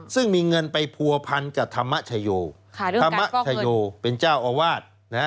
ซึ่งมีเงินไปผัวพันกับธรรมชโยธรรมชโยเป็นเจ้าอาวาส